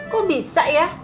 kok bisa ya